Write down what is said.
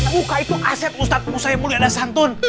muka itu aset ustadz musayem mulya dasantun